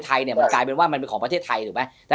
ไทยเนี่ยมันกลายเป็นว่ามันเป็นของประเทศไทยถูกไหม